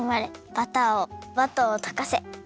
バターをバターをとかせ。